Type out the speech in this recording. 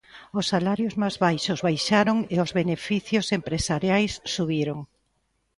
Os salarios máis baixos baixaron e os beneficios empresariais subiron.